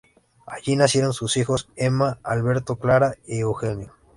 Allí nacieron sus hijos: Emma, Alberto, Clara y Eugenio.